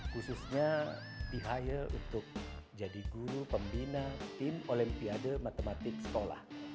khususnya behaya untuk jadi guru pembina tim olimpiade matematik sekolah